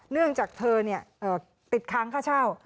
เนื่องจากเธอติดค้างค่าเช่า